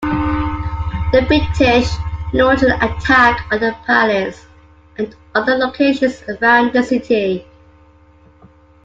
The British launched an attack on the palace and other locations around the city.